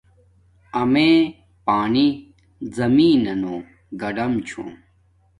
امیے پانی زمین نانو گاڈم چھوم